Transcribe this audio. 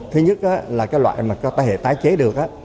thứ nhất là cái loại mà có thể tái chế được á